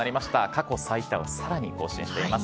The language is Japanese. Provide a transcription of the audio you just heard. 過去最多をさらに更新しています。